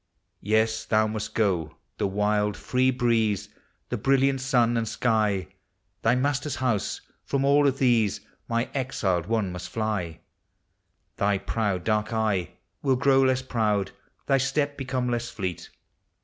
Yes, thou must go! the wild, free breeze, the bril liant sun and sky, Thy master's house, from all of these my exiled one must fly ; Thy proud dark eye will grow less proud, thy Step become less fleet.